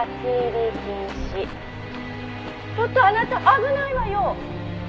「ちょっとあなた危ないわよ！」